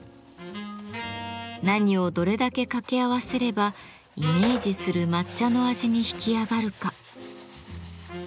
何をどれだけ掛け合わせればイメージする抹茶の味に引き上がるか。